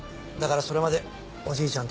だからそれまでおじい